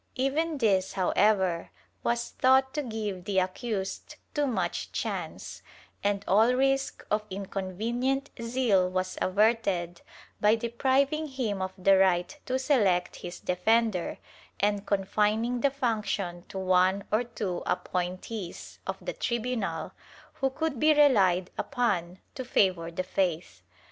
Even this, however, was thought to give the accused too much chance, and all risk of inconvenient zeal was averted by depriving him of the right to select his defender and confining the function to one or two appointees of the tribunal, who could be relied upon to favor the faith.